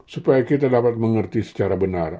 supaya kita dapat mengerti secara benar